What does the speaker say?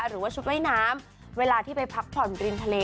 หรือว่าชุดว่ายน้ำเวลาที่ไปพักผ่อนริมทะเล